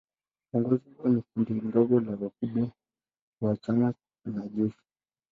Uongozi huo ni kundi dogo la wakubwa wa chama na jeshi.